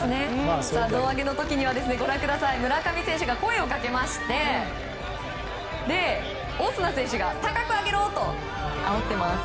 胴上げの時には村上選手が声をかけましてオスナ選手が高く上げろとあおっています。